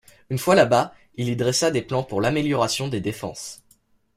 Une fois là-bas, il y dressa des plans pour l’amélioration des défenses.